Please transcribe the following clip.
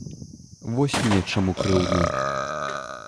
Вось мне чаму крыўдна.